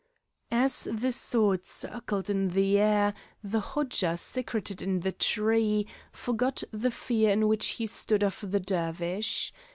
As the sword circled in the air the Hodja, secreted in the tree, forgot the fear in which he stood of the Dervish.